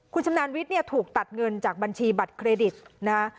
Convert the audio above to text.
คุณชำนาญวิทย์เนี่ยถูกตัดเงินจากบัญชีบัตรเครดิตนะฮะ